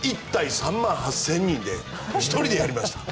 １対３万８０００人で１人でやりました。